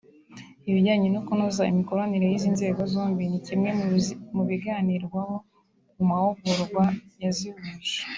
Ibijyanye no kunoza imikoranire y’izi nzego zombi ni kimwe mu biganirwaho mu mahugurwa yazihuje